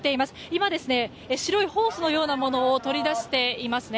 今、白いホースのようなものを取り出していますね。